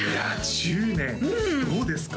１０年どうですか？